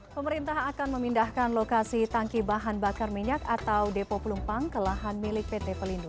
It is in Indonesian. pemerintah akan memindahkan lokasi tangki bahan bakar minyak atau depo pelumpang ke lahan milik pt pelindung